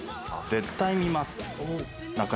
絶対見ます！